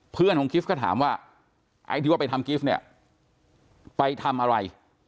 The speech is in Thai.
เพื่อนของกิฟต์ก็ถามว่าไอ้ที่ว่าไปทำกิฟต์เนี่ยไปทำอะไร